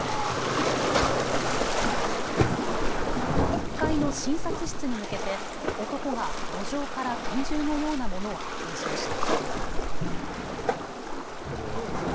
１階の診察室に向けて男が路上から拳銃のようなものを発砲しました。